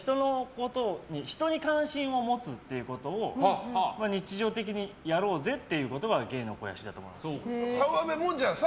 人に関心を持つっていうことを日常的にやろうぜっていうことが芸の肥やしだと思います。